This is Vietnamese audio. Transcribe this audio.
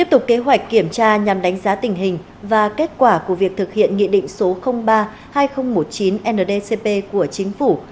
tiếp tục kế hoạch kiểm tra nhằm đánh giá tình hình và kết quả của việc thực hiện nghị định số ba hai nghìn một mươi chín ndcp của chính phủ